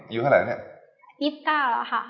ยูเท่าไหร่เนี่ย